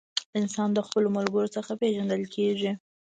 انسان د خپلو ملګرو څخه پیژندل کیږي.